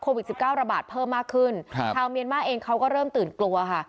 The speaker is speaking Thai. สิบเก้าระบาดเพิ่มมากขึ้นครับชาวเมียนมาร์เองเขาก็เริ่มตื่นกลัวค่ะ